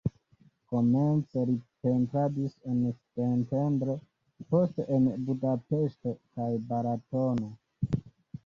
Komence li pentradis en Szentendre, poste en Budapeŝto kaj Balatono.